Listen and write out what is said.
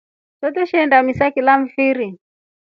Swee tweshinda misa kila mfiri.